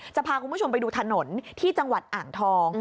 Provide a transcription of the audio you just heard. จะพาคุณผู้ชมไปดูถนนที่จังหวัดอ่างทอง